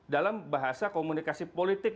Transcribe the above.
dalam bahasa komunikasi politik